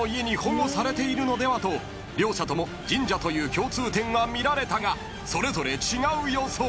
［両者とも神社という共通点はみられたがそれぞれ違う予想］